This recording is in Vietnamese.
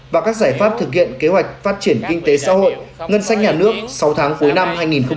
và các giải pháp thực hiện kế hoạch phát triển kinh tế xã hội ngân sách nhà nước sáu tháng cuối năm hai nghìn hai mươi